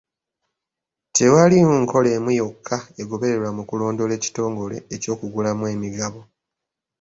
Tewaliiwo nkola emu yokka egobererwa mu kulonda ekitongole eky'okugulamu emigabo.